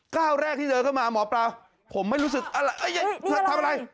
ก้าวแรกที่เดินเข้ามาหมอปลาผมไม่รู้สึกอะไร